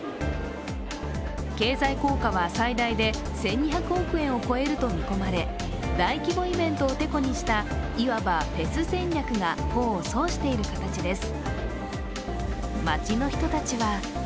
経済効果は最大で１２００億円を超えると見込まれ大規模イベントをてこにした、いわばフェス戦略が功を奏している形です。